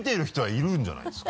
いたんじゃないですか。